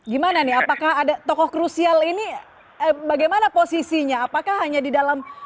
gimana nih apakah tokoh krusial ini bagaimana posisinya apakah hanya di dalam kader saja